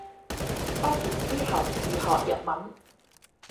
畢業之後自學日文